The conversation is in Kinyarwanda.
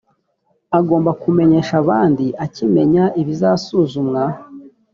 agomba kumenyesha abandi akimenya ibizasuzumwa